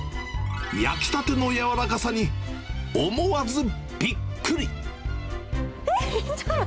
焼きたての柔らかさに、思わずびっくり。